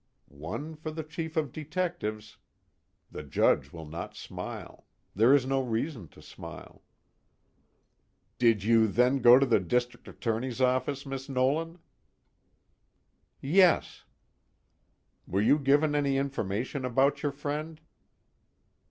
One for the Chief of Detectives. The Judge will not smile. There is no reason to smile. "Did you then go to the District Attorney's office, Miss Nolan?" "Yes." "Were you given any information about your friend?"